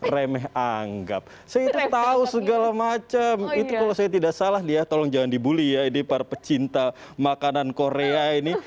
remeh anggap saya itu tahu segala macam itu kalau saya tidak salah dia tolong jangan dibully ya ini para pecinta makanan korea ini